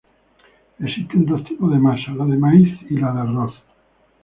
Existen dos tipos de masa, la de maíz y la de arroz.